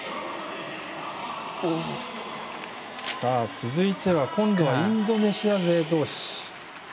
続いては、今度はインドネシア勢同士。